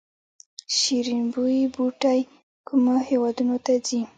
شیرین بویې بوټی کومو هیوادونو ته ځي؟